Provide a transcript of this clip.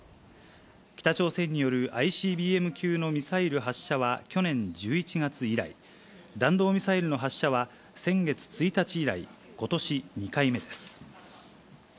北朝鮮によるＩＣＢＭ級のミサイル発射は去年１１月以来、弾道ミサイルの発射は、先月１日以来、ことし２回目です。